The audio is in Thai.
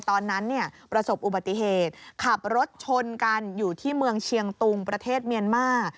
ตอนนั้นเนี่ยประสบอุบัติเหตุขับรถชนกันอยู่ที่เมืองเชียงตุงประเทศเมียนมาร์